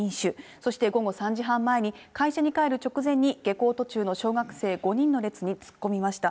そして午後３時半前に、会社に帰る直前に下校途中の小学生５人の列に突っ込みました。